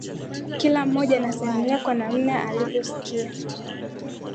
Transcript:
Kila mmoja anaisimulia kwa namna alivyosikia